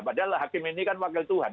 padahal hakim ini kan wakil tuhan